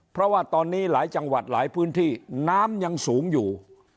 เพราะว่าตอนนี้หลายจังหวัดหลายพื้นที่น้ำยังสูงอยู่